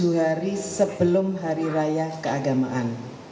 tujuh hari sebelum hari raya keagamaan